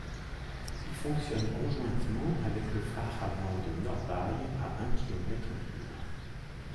Il fonctionne conjointement avec le phare avant de Norrby à un kilomètre plus loin.